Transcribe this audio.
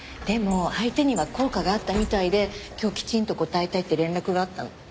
でも相手には効果があったみたいで今日きちんと答えたいって連絡があったの。